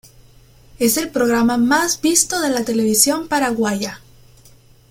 Es el programa mas visto de la televisión paraguaya.